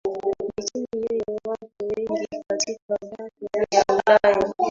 Ni nchi yenye watu wengi katika bara la Ulaya